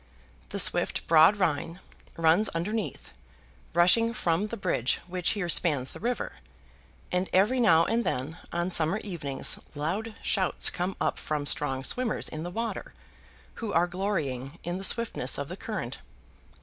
The swift broad Rhine runs underneath, rushing through from the bridge which here spans the river; and every now and then on summer evenings loud shouts come up from strong swimmers in the water, who are glorying in the swiftness of the current.